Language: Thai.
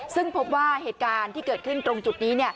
ซึ่งพบว่าเหตุการณ์ที่เกิดขึ้นตรงจุดนี้